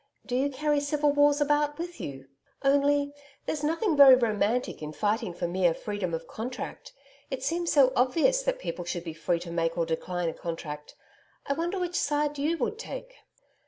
Do you carry civil wars about with you? Only, there's nothing very romantic in fighting for mere freedom of contract it seems so obvious that people should be free to make or decline a contract. I wonder which side you would take.'